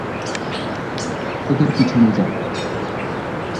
ওদের পিছনে যা।